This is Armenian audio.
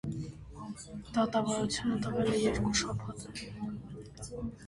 Դատավարությունը տևել է երկու շաբաթ։